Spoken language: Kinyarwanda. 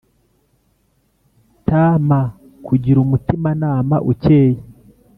Tm kugira umutimanama ukeye